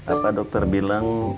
apa dokter bilang